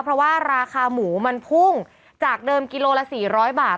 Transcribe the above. เพราะว่าราคาหมูมันพุ่งจากเดิมกิโลละ๔๐๐บาท